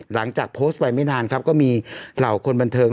หลังจากโพสต์ไปไม่นานครับก็มีเหล่าคนบันเทิง